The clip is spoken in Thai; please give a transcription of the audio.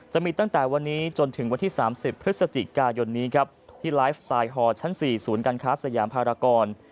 จะมีตั้งแต่วันนี้จนถึงวันที่๓๐พฤศจิกายนนี้ครับที่ไลฟ์สไตล์ฮอร์ชั้น๔ศูนย์การค้าสยามภารกร